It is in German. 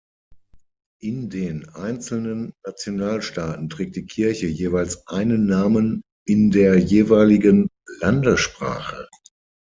In den einzelnen Nationalstaaten trägt die Kirche jeweils einen Namen in der jeweiligen Landessprache.